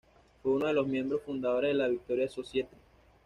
Fue uno de los miembros fundadores de la Victorian Society.